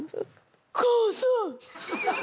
「母さん！」